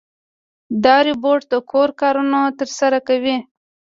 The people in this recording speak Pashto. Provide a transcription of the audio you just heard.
دا روبوټ د کور کارونه ترسره کوي.